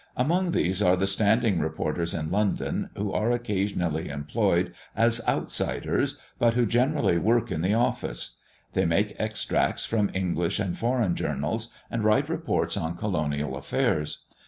Among these are the standing reporters in London, who are occasionally employed as "outsiders," but who generally work in the office. They make extracts from English and Foreign journals, and write reports on colonial affairs.